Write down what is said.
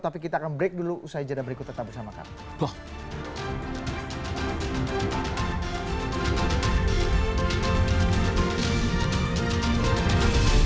tapi kita akan break dulu usai jadwal berikut tetap bersama kami